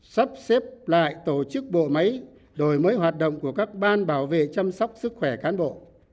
sắp xếp lại tổ chức bộ máy đổi mới hoạt động của các ban bảo vệ chăm sóc sức khỏe cán bộ